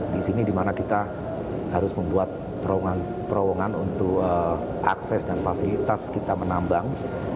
di sini di mana kita harus membuat terowongan untuk akses dan fasilitas kita menambang